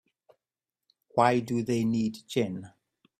Why do they need gin?